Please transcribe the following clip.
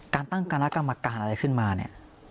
ตั้งคณะกรรมการอะไรขึ้นมาเนี่ย